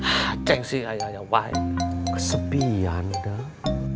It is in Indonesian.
aceh sih ayah ayah kenapa kesepian udah